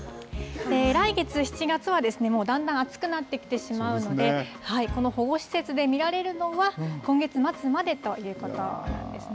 来月、７月は、だんだん暑くなってきてしまうので、この保護施設で見られるのは、今月末までということなんですね。